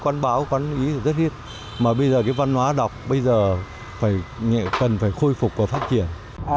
quán báo quán ý rất hết mà bây giờ cái văn hóa đọc bây giờ cần phải khôi phục và phát triển